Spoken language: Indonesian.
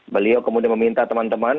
beliau kemudian meminta teman teman